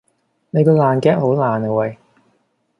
你個爛 gag 好爛呀喂